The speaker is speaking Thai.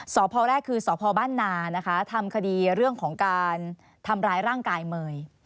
พอแรกคือสพบ้านนานะคะทำคดีเรื่องของการทำร้ายร่างกายเมย์